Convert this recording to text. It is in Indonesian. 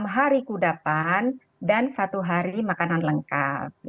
enam hari kudapan dan satu hari makanan lengkap